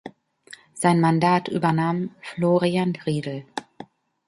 Sein Mandat übernahm Florian Riedl.